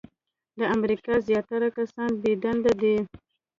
د امریکا زیاتره کسان بې دندې دي .